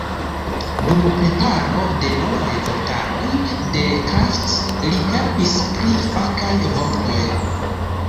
Dum preparo de novaj vortaroj de Kraft li helpis pri fakaj vortoj.